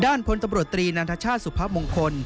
ด้านพลตำรวจตรีนนาทชาติสุพพะมงคล